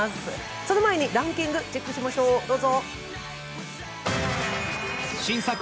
その前にランキングチェックしましょう、どうぞ！